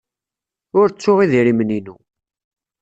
Ur ttuɣ idrimen-inu.